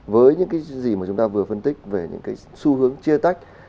với những cái gì mà chúng ta vừa phân tích về những cái xu hướng chia tách